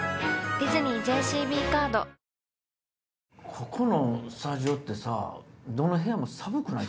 ここのスタジオってさどの部屋も寒くない？